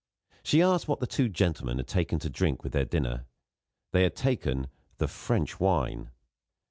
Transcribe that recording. She asked what the two gentlemen had taken to drink with their dinner. They had taken "the French wine."